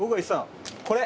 これ！